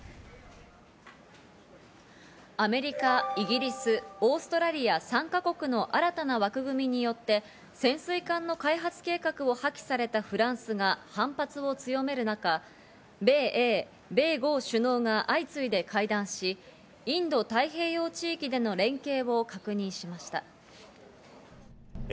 アメリカ、イギリス、オーストラリア３か国の新たな枠組みによって潜水艦の開発計画を破棄されたフランスが反発を強める中、米英・米豪首脳が相次いで会談し、インド太平洋地域での連携を確認しました。